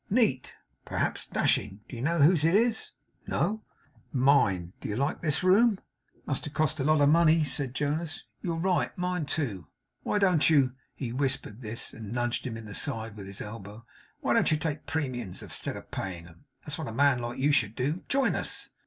'Neat; perhaps dashing. Do you know whose it is?' 'No.' 'Mine. Do you like this room?' 'It must have cost a lot of money,' said Jonas. 'You're right. Mine too. Why don't you' he whispered this, and nudged him in the side with his elbow 'why don't you take premiums, instead of paying 'em? That's what a man like you should do. Join us!